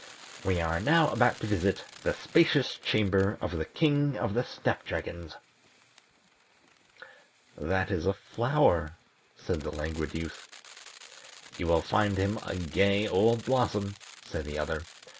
"We are now about to visit the spacious chamber of the King of the Snap dragons." "That is a flower," said the Languid Youth. "You will find him a gay old blossom," said the other.